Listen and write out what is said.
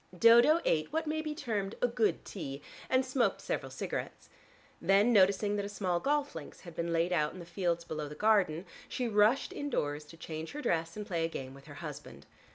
Dodo ate what may be termed a good tea, and smoked several cigarettes. Then noticing that a small golf links had been laid out in the fields below the garden, she rushed indoors to change her dress, and play a game with her husband.